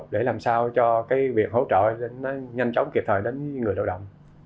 để làm sao cho cái việc hỗ trợ nó nhanh chóng kịp thời đến người lao động